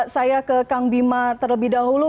saya ke kang bima terlebih dahulu